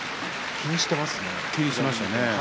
気にしてますね。